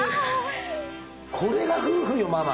これが夫婦よママ。